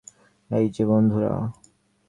এই যে বন্ধুরা।